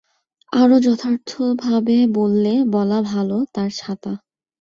আরও যথার্থভাবে বললে বলা ভালো তাঁর ছাতা।